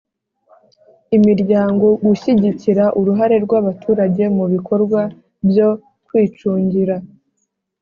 Imiryango gushyigikira uruhare rw abaturage mu bikorwa byo kwicungira